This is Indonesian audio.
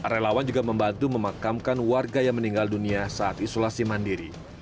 relawan juga membantu memakamkan warga yang meninggal dunia saat isolasi mandiri